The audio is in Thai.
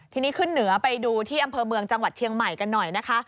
ทีนี้ขึ้นเหนือไปดูที่อำเภอเมืองจังหวัดเชียงใหม่กันหน่อยนะคะ